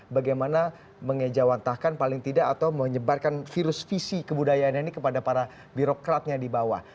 bagaimana mengejawantahkan paling tidak atau menyebarkan virus visi kebudayaannya ini kepada para birokratnya di bawah